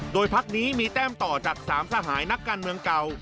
โดยพักนี้มีแต้มต่อจาก๓สหายนักการเมืองเก่า